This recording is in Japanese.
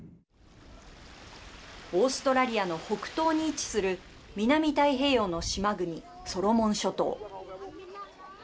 オーストラリアの北東に位置する南太平洋の島国、ソロモン諸島。